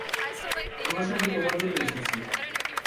আমরা সবাই তোমার জন্য এসেছি।